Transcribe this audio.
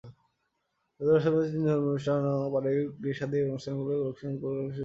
দশ বছর বয়সে তিনি ধর্মীয় অনুষ্ঠান ও পারিবারিক বিয়ে-শাদীর অনুষ্ঠানগুলোয় লোকসঙ্গীত পরিবেশন করতে শুরু করেন।